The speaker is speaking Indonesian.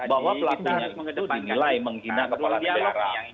bahwa pelakunya itu dimilai menghina kepala negara